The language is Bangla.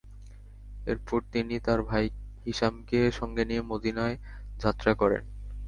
এরপর তিনি তার ভাই হিশামকে সঙ্গে নিয়ে মদীনায় যাত্রা করেন।